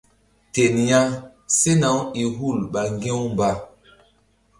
Ten ya sena-u i hul ɓa ŋgi̧-u mba.